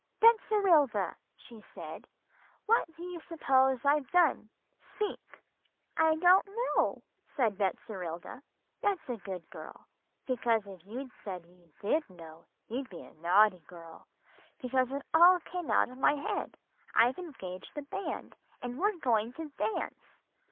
"'Betserilda,' she said, 'what do you suppose I've done? Speak.' "'I don't know,' said Betserilda. "'That's a good girl, because if you'd said you did know, you'd be a naughty girl, because it all came out of my head. I've engaged the band, and we're going to dance.